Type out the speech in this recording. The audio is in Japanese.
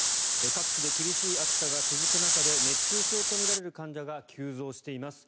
各地で厳しい暑さが続く中で熱中症とみられる患者が急増しています。